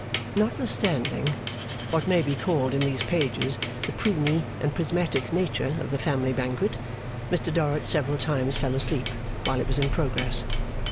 Notwithstanding what may be called in these pages the Pruney and Prismatic nature of the family banquet, Mr Dorrit several times fell asleep while it was in progress.